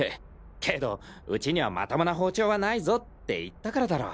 けどうちにはまともな包丁はないぞって言ったからだろ。